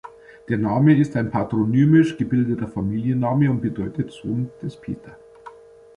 Der Name ist ein Patronymisch gebildeter Familienname und bedeutet "Sohn des Peter".